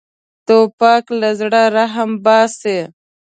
توپک له زړه رحم باسي.